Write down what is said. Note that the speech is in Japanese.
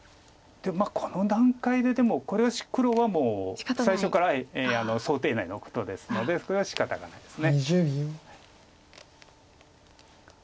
この段階ででもこれ黒は最初から想定内のことですのでそれはしかたがないです。